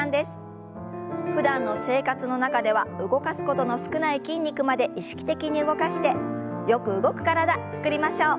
ふだんの生活の中では動かすことの少ない筋肉まで意識的に動かしてよく動く体つくりましょう。